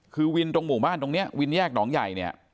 คือวินตรงหมู่บ้านตรงนี้วินแยกหนองใหญ่เนี่ย